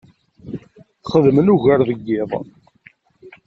Xeddmen ugar deg yiḍ.